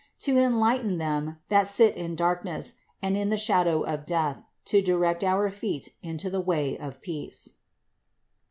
To enlighten them that sit in darkness, and in the shadow of death: to direct our feet into the way of peace."